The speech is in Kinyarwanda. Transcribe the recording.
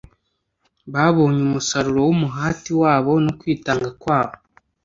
babonye umusaruro w'umuhati wabo no kwitanga kwabo.